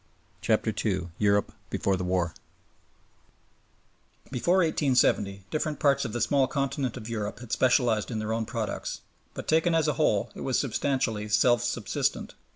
CHAPTER II EUROPE BEFORE THE WAR Before 1870 different parts of the small continent of Europe had specialized in their own products; but, taken as a whole, it was substantially self subsistent.